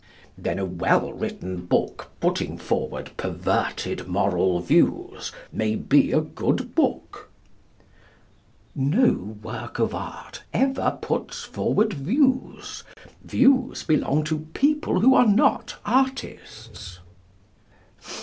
Then a well written book putting forward perverted moral views may be a good book? No work of art ever puts forward views. Views belong to people who are not artists.